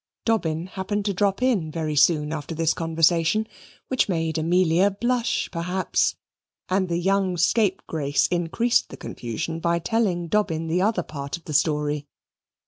Dobbin happened to drop in very soon after this conversation, which made Amelia blush perhaps, and the young scapegrace increased the confusion by telling Dobbin the other part of the story.